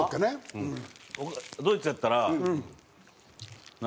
ドイツやったら。